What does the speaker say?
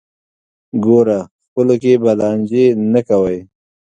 ګوره خپلو کې به لانجې نه کوئ.